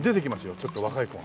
ちょっと若い子が。